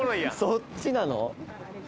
そっちなの？